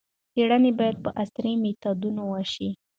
څېړنې باید په عصري میتودونو وشي.